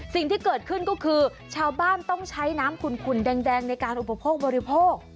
สิ่งที่เกิดขึ้นก็คือชาวบ้านต้องใช้น้ำขุนแดงในการอุปโภคบริโภค